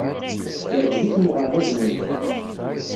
Yeɛjeb-ikem uɣerbaz-nnem?